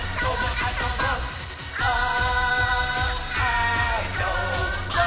「あそぼー！」